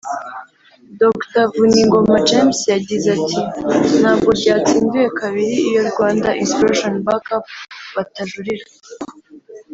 Dr Vuningoma James yagize ati ”Ntabwo ryatsindiwe kabiri iyo Rwanda Inspiration Back Up batajurira